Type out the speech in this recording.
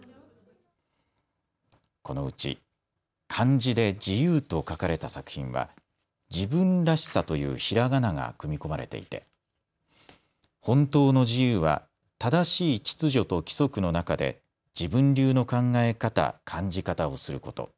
このうち漢字で自由と書かれた作品はじぶんらしさというひらがなが組み込まれていて本当の自由は正しい秩序と規則の中で自分流の考え方、感じ方をすること。